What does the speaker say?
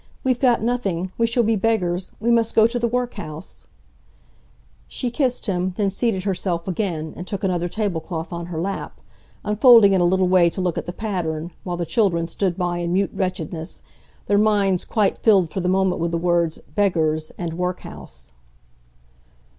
We've got nothing—we shall be beggars—we must go to the workhouse——" She kissed him, then seated herself again, and took another tablecloth on her lap, unfolding it a little way to look at the pattern, while the children stood by in mute wretchedness, their minds quite filled for the moment with the words "beggars" and "workhouse."